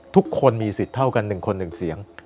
ทุกคนมีสิทธิ์เท่ากันหนึ่งคนหนึ่งเสียง